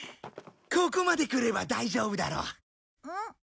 ここまで来れば大丈夫だろう。